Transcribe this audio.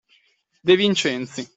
De Vincenzi.